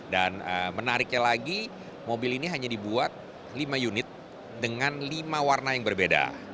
dan menariknya lagi mobil ini hanya dibuat lima unit dengan lima warna yang berbeda